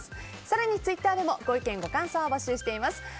更にツイッターでもご意見、ご感想を募集しています。